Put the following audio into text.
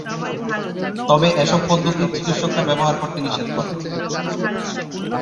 তবে এ সব পদ্ধতি চিকিৎসকরা ব্যবহার করতে নিষেধ করেন।